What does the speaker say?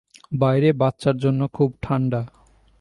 বাইরে বাচ্চার জন্য খুব ঠান্ডা।